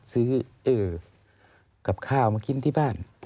ซื้อกับข้าวมากินที่บ้าน